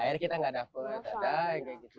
akhirnya kita nggak dapat ada yang kayak gitu